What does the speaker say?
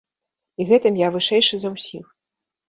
І гэтым я вышэйшы за ўсіх.